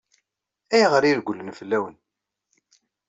Ayɣer i regglen fell-awen?